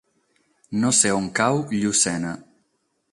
No sé on cau Llucena.